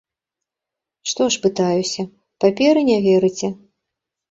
Што ж, пытаюся, паперы не верыце?